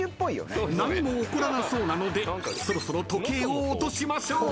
［何も起こらなそうなのでそろそろ時計を落としましょう］